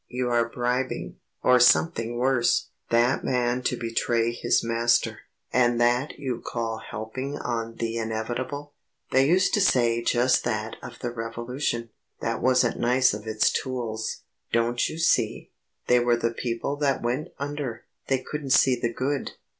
You are bribing, or something worse, that man to betray his master. And that you call helping on the inevitable...." "They used to say just that of the Revolution. That wasn't nice of its tools. Don't you see? They were the people that went under.... They couldn't see the good...."